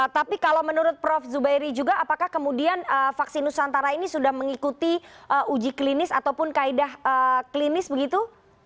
tapi kalau menurut prof zubairi juga apakah kemudian vaksin nusantara ini sudah mengikuti uji klinis ataupun kaedah klinis begitu